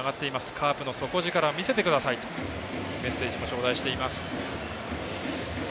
カープの底力を見せてください！とメッセージも頂戴しています。